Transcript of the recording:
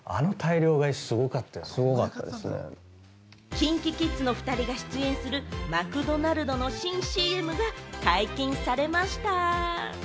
ＫｉｎＫｉＫｉｄｓのお２人が出演するマクドナルドの新ＣＭが解禁されました。